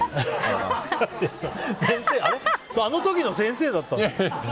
あの時の先生だったの？